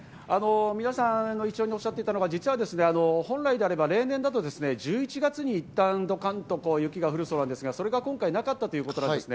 皆さんが一様におっしゃっていたのは、例年だと１１月にいったんドカンと雪が降るそうなんですが、今回それがなかったということですね。